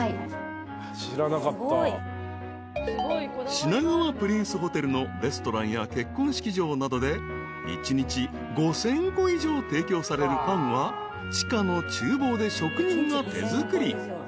［品川プリンスホテルのレストランや結婚式場などで一日５，０００個以上提供されるパンは地下の厨房で職人が手作り］